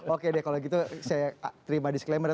oke deh kalau gitu saya terima disclaimer